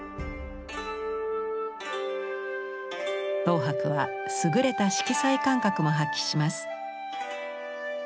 等伯は優れた色彩感覚も発揮します。